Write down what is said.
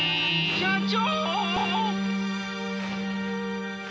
社長！